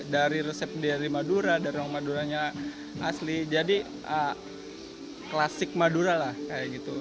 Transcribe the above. dari resep dari madura dari orang maduranya asli jadi klasik madura lah kayak gitu